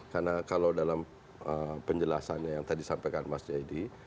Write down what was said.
karena kalau dalam penjelasannya yang tadi sampaikan mas jaya itu